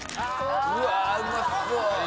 うわうまそう。